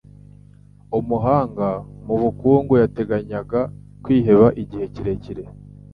Umuhanga mu bukungu yateganyaga kwiheba igihe kirekire.